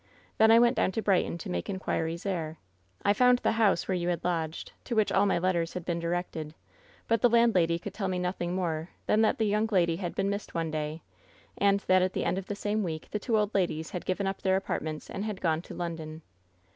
Then I went down to Brighton to make inquiries there. I found the house where you had lodged — ^ta which all my letters had been directed — ^but the land lady could tell me nothing more than that the young lady had been missed one day, and that at the end of the same week the two old ladies had given up their apart ments and had gone to London.